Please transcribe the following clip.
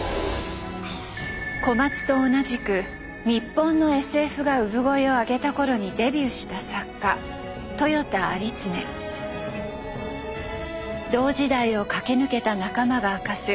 小松と同じく日本のＳＦが産声を上げた頃にデビューした作家同時代を駆け抜けた仲間が明かす